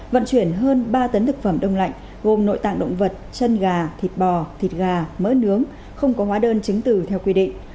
vận chuyển hơn ba tấn thực phẩm đông lạnh gồm nội tạng động vật chân gà thịt bò thịt gà mỡ nướng không có hóa đơn chứng từ theo quy định